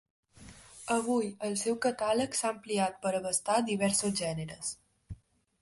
Avui, el seu catàleg s'ha ampliat per abastar diversos gèneres.